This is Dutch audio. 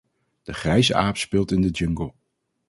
De grijze aap speelt in de jungle.